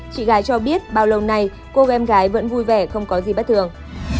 chị gái cho biết bao lâu nay cô em gái vẫn vui vẻ không có gì bất thường